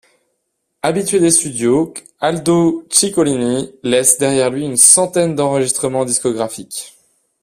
Habitué des studios, Aldo Ciccolini laisse derrière lui une centaine d'enregistrements discographiques.